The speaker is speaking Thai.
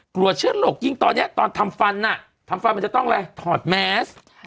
เชื่อหลกยิ่งตอนนี้ตอนทำฟันทำฟันมันจะต้องอะไรถอดแมส